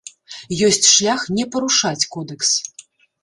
Ёсць шлях не парушаць кодэкс.